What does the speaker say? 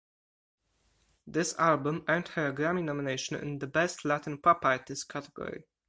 This album earned her a Grammy nomination in the Best Latin Pop artist category.